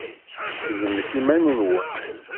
Seggmet iman-nwen.